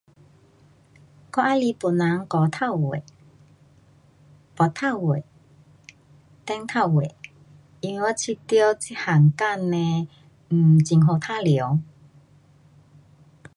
我喜欢帮人剪头发，挷头发，电头发。因为我觉得这份工呢 um 很好游戏。